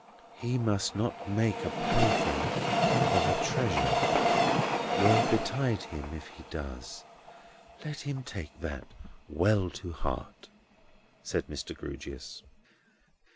"He must not make a plaything of a treasure. Woe betide him if he does! Let him take that well to heart," said Mr. Grewgious.